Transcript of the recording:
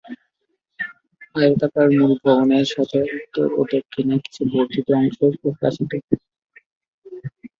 আয়তাকার মুল ভবনের সাথে উত্তর ও দক্ষিণে কিছু বর্ধিত অংশ প্রকাশিত।